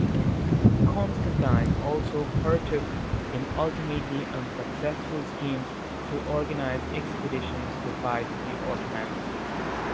Constantine also partook in ultimately unsuccessful schemes to organize expeditions to fight the Ottomans.